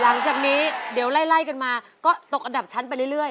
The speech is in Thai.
หลังจากนี้เดี๋ยวไล่กันมาก็ตกอันดับชั้นไปเรื่อย